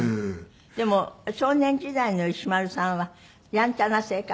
でも少年時代の石丸さんはやんちゃな性格？